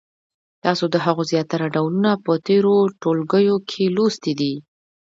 تاسو د هغو زیاتره ډولونه په تېرو ټولګیو کې لوستي دي.